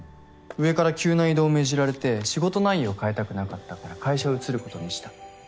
上から急な異動を命じられて仕事内容変えたくなかったから会社移ることにした。